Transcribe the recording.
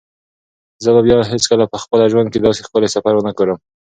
زه به بیا هیڅکله په خپل ژوند کې داسې ښکلی سفر ونه ګورم.